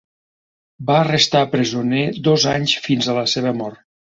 Va restar presoner dos anys fins a la seva mort.